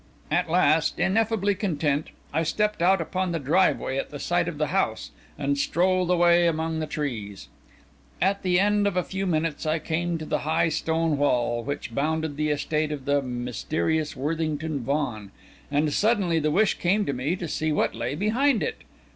At last, ineffably content, I stepped out upon the driveway at the side of the house, and strolled away among the trees. At the end of a few minutes, I came to the high stone wall which bounded the estate of the mysterious Worthington Vaughan, and suddenly the wish came to me to see what lay behind it.